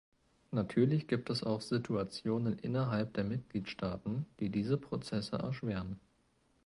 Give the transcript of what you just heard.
Natürlich gibt es auch Situationen innerhalb der Mitgliedstaaten, die diese Prozesse erschweren.